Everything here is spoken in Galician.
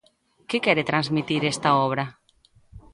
Que quere transmitir esta obra?